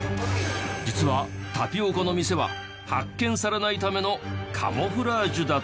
実はタピオカの店は発見されないためのカムフラージュだった！？